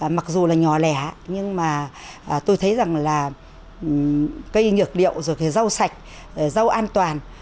mặc dù là nhỏ lẻ nhưng mà tôi thấy rằng là cây nhược liệu rau sạch rau an toàn